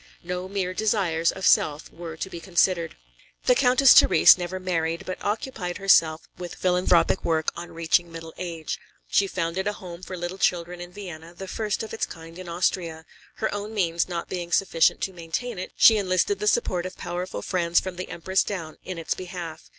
No mere desires of self were to be considered. The Countess Therese never married, but occupied herself with philanthropic work on reaching middle age. She founded a home for little children in Vienna, the first of its kind in Austria; her own means not being sufficient to maintain it, she enlisted the support of powerful friends from the Empress down, in its behalf.